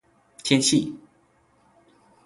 天气